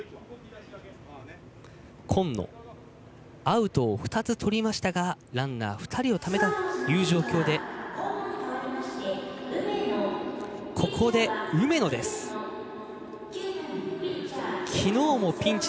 今野アウト２つ取りましたがランナー２人をためたという状況でピッチャー交代です。